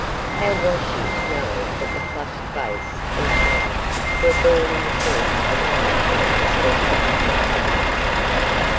How was she to know that the flushed face and frown were born in the course of a night of distressing perplexities?